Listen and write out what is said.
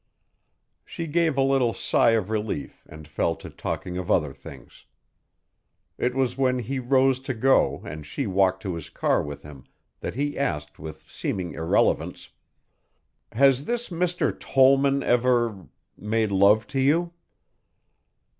She gave a little sigh of relief and fell to talking of other things. It was when he rose to go and she walked to his car with him that he asked with seeming irrelevance, "Has this Mr. Tollman ever made love to you?"